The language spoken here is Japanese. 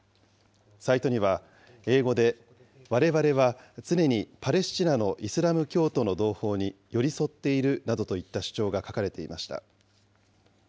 サイトには、英語で、われわれは常にパレスチナのイスラム教徒の同胞に寄り添っているなどといった主張が書かれていました。